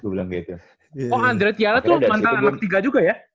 oh andre tiara tuh mantan anak tiga juga ya